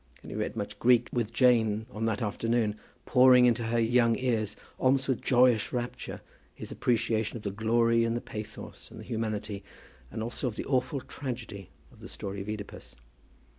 And he read much Greek with Jane on that afternoon, pouring into her young ears, almost with joyous rapture, his appreciation of the glory and the pathos and the humanity, as also of the awful tragedy, of the story of Oedipus.